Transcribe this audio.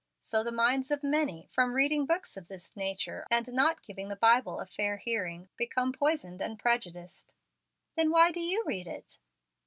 So the minds of many, from reading books of this nature, and not giving the Bible a fair hearing, become poisoned and prejudiced." "Then why do you read it?"